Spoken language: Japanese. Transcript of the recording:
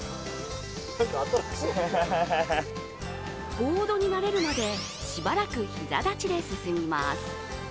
ボードに慣れるまで、しばらく膝立ちで進みます。